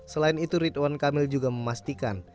selain itu ridwan kamil juga memastikan